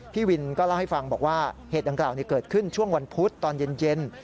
พี่วินก็เล่าให้ฟังบอกว่าเหตุดังกล่าวเกิดขึ้นช่วงวันพุธตอนเย็น